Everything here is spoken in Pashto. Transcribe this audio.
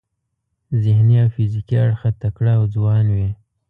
ذهني او فزیکي اړخه تکړه او ځوان وي.